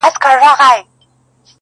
• یا دي ولولم د میني زر لیکونه -